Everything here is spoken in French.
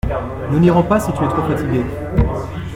Nous n’irons pas si tu es trop fatiguée.